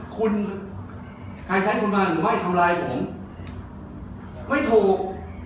คุณใครใช้คุณมาหรือไม่ทำร้ายผมไม่ถูก